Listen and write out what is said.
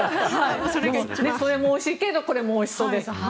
それもおいしいけれどこれもおいしそうです。